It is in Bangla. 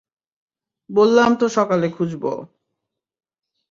বললাম তো সকালে খুঁজব।